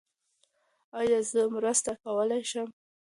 ایا زه مرسته کولي شم؟